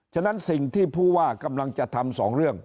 ฉะนั้นสิ่งที่ผู้ว่ากำลังจะทำสองเรื่อง